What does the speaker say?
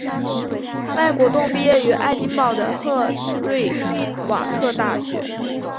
麦国栋毕业于爱丁堡的赫瑞瓦特大学。